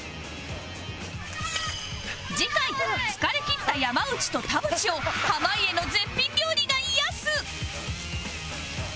次回疲れきった山内と田渕を濱家の絶品料理が癒やす